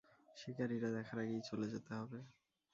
শিকারীরা দেখার আগেই চলে যেতে হবে।